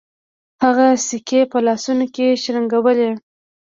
هغه سکې په لاسونو کې شرنګولې.